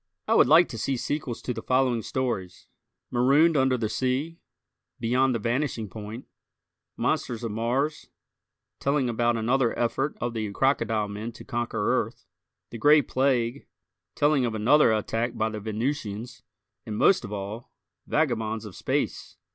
I would like to see sequels to the following stories: "Marooned Under the Sea," "Beyond the Vanishing Point," "Monsters of Mars," telling about another effort of the crocodile men to conquer Earth, "The Gray Plague," telling of another attack by the Venusians, and, most of all, "Vagabonds of Space."